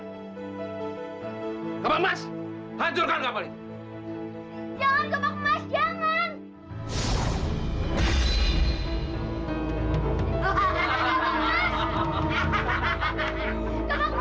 hai kemas hancurkan kembali jangan kemas jangan hahaha hahaha hahaha hahaha